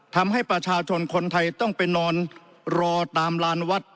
ทำให้ประชาชนคนไทยต้องไปนอนรอตามลานวัด